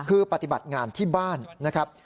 คือปฏิบัติงานที่บ้านนะครับ